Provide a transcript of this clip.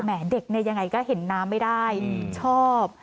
แหมเด็กยังไงก็เห็นน้ำไม่ได้ชอบ